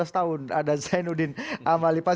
lima belas tahun ada zainuddin amalifah